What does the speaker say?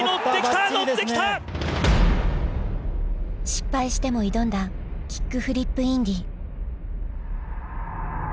失敗しても挑んだキックフリップインディ。